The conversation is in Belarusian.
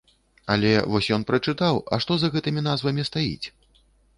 Але вось ён прачытаў, а што за гэтымі назвамі стаіць?